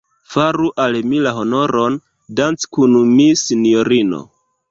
Faru al mi la honoron, danci kun mi, sinjorino.